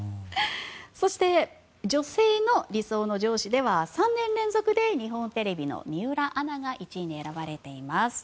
そして、女性の理想の上司では３年連続で日本テレビの水卜アナが１位に選ばれています。